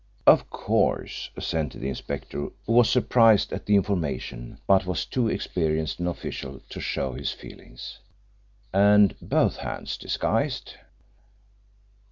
"Of course," assented the inspector, who was surprised at the information, but was too experienced an official to show his feelings. "And both hands disguised."